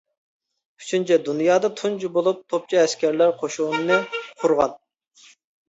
ئۈچىنچى، دۇنيادا تۇنجى بولۇپ توپچى ئەسكەرلەر قوشۇنىنى قۇرغان.